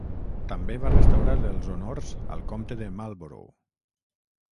També va restaurar els honors al comte de Marlborough.